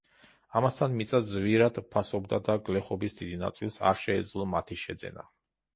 ამასთან მიწა ძვირად ფასობდა და გლეხობის დიდი ნაწილს არ შეეძლო მათი შეძენა.